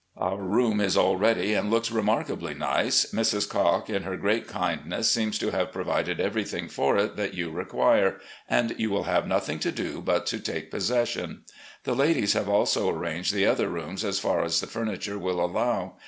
Our room is all ready and looks remarkably nice. Mrs. Cocke, in her great kindness, seems to have provided everything for it that you require, and you will have nothing to do but to take possession. The ladies have also arranged the other rooms as far as the furniture will allow.